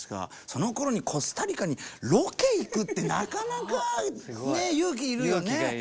そのころにコスタリカにロケ行くってなかなかねえ勇気いるよね。